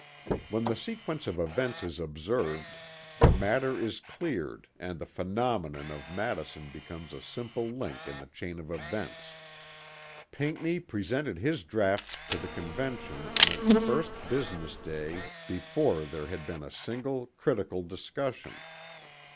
_ When the sequence of events is observed the matter is cleared and the "phenomenon" of Madison becomes a simple link in the chain of events. Pinckney presented his draught to the Convention on its first business day before there had been a single "critical discussion."